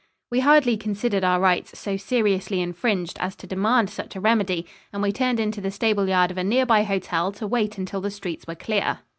We hardly considered our rights so seriously infringed as to demand such a remedy, and we turned into the stable yard of a nearby hotel to wait until the streets were clear.